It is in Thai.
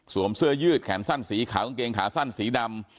เสื้อยืดแขนสั้นสีขาวกางเกงขาสั้นสีดำ